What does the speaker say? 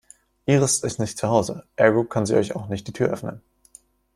Iris ist nicht zu Hause, ergo kann sie euch auch nicht die Tür öffnen.